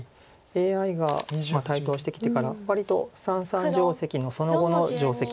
ＡＩが台頭してきてから割と三々定石のその後の定石みたいな形で。